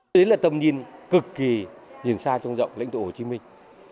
đấy là tầm nhìn cực kỳ nhìn xa trong giọng lãnh thổ hồ chí minh